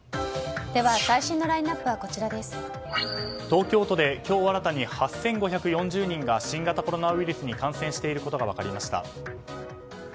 東京都で今日新たに８５４０人が新型コロナウイルスに感染していることが分かりました。